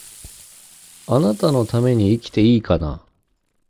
貴方のために生きていいかな